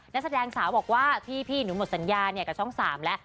นักแสดงสาวบอกว่าพี่หนูหมดสัญญากับช่อง๓แล้ว